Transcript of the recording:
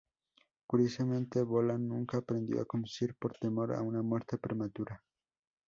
Curiosamente, Bolan nunca aprendió a conducir por temor a una muerte prematura.